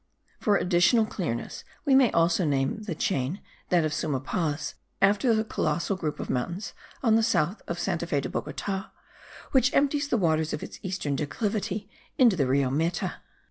For additional clearness, we may also name the chain, that of Suma Paz, after the colossal group of mountains on the south of Santa Fe de Bogota, which empties the waters of its eastern declivity into the Rio Meta.